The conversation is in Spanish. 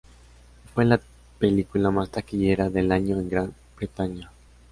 Fue la película más taquillera del año en Gran Bretaña.